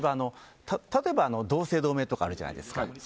例えば同姓同名とかあるじゃないですか。